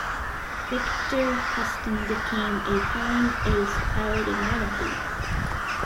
Victor Huston became a flying ace piloting one of these.